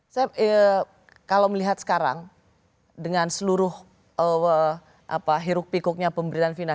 saya kalau melihat sekarang dengan seluruh hiruk pikuknya pemberitaan final